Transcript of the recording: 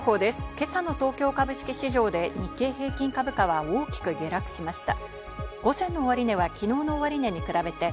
今朝の東京株式市場で日経平均株価は大きく下落しました。